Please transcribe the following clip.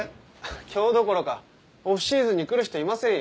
・今日どころかオフシーズンに来る人いませんよ。